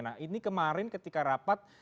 nah ini kemarin ketika rapat